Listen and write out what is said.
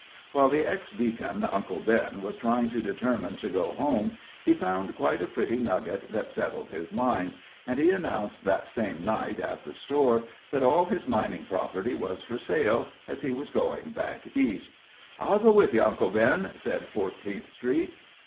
While the ex deacon, Uncle Ben, was trying to determine to go home, he found quite a pretty nugget that settled his mind, and he announced that same night, at the store, that all his mining property was for sale, as he was going back East. "I'll go with you, Uncle Ben," said Fourteenth Street.